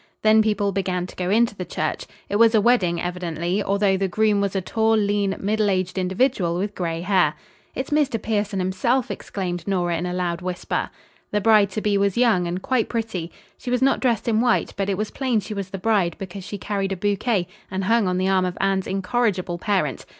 Then people began to go into the church. It was a wedding evidently, although the groom was a tall, lean, middle aged individual with gray hair. "It's Mr. Pierson himself," exclaimed Nora in a loud whisper. The bride to be was young and quite pretty. She was not dressed in white, but it was plain she was the bride because she carried a bouquet and hung on the arm of Anne's incorrigible parent.